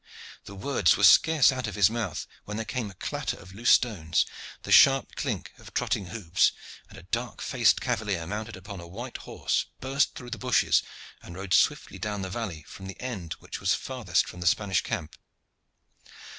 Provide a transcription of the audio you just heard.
The words were scarce out of his mouth when there came a clatter of loose stones, the sharp clink of trotting hoofs, and a dark faced cavalier, mounted upon a white horse, burst through the bushes and rode swiftly down the valley from the end which was farthest from the Spanish camp.